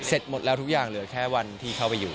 หมดแล้วทุกอย่างเหลือแค่วันที่เข้าไปอยู่